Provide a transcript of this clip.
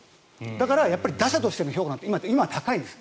だから、打者としての評価が今は高いんです。